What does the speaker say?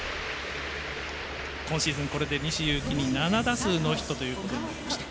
今シーズン、これで西勇輝に７打数ノーヒットとなりました。